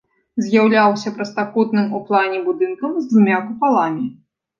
З'яўляўся прастакутным у плане будынкам з двума купаламі.